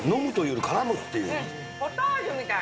ポタージュみたい。